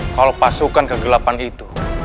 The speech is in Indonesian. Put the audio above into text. kalau pasukan kegelapan itu